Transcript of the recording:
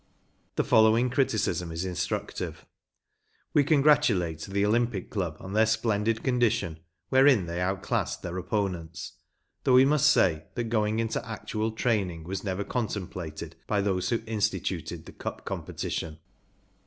The following criticism is instructive : “We congratulate the Olympic Club on their splendid condition, wherein they outclassed their opponents ; though we must say that going into actual training was never contem¬ plated by those who instituted the Cup competition.'